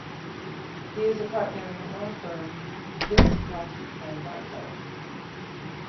He is a partner in the law firm, Hiscock and Barclay.